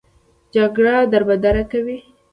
جګړه دربدره کوي